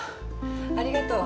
ありがとう。